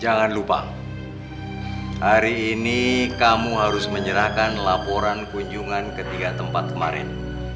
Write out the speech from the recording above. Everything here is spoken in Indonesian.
jangan lupa hari ini kamu harus menyerahkan laporan kunjungan ke tiga tempat kemarin